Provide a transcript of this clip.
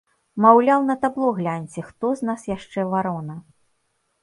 Маўляў, на табло гляньце, хто з нас яшчэ варона.